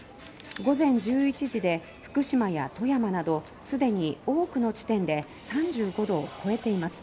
午前１１時で福島や富山などすでに多くの地点で３５度を超えています。